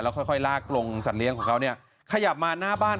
ค่อยลากลงสัตว์เลี้ยงของเขาเนี่ยขยับมาหน้าบ้าน